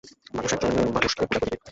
মানুষ একজন মানুষকে পূজা করিবেই।